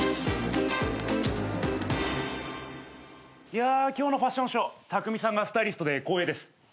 いや今日のファッションショーたくみさんがスタイリストで光栄です。